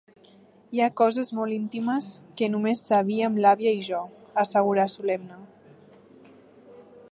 Hi ha coses molt íntimes, que només sabíem l'àvia i jo —assegura solemne—.